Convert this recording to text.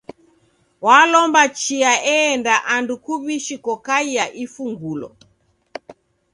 W'alomba chia eenda andu kuw'ishi kokaia ifungulo.